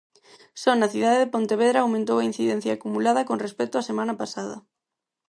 Só na cidade de Pontevedra aumentou a incidencia acumulada con respecto á semana pasada.